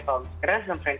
soal mengadakan capsleep event